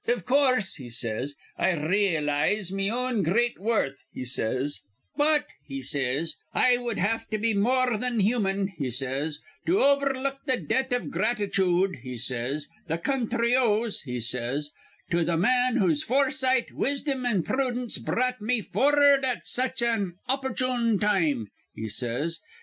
'Iv coorse,' he says, 'I re elize me own gr reat worth,' he says; 'but,' he says, 'I wud have to be more thin human,' he says, 'to overlook th' debt iv gratichood,' he says, 'th' counthry owes,' he says, 'to th' man whose foresight, wisdom, an' prudence brought me for ard at such an opparchune time,' he says.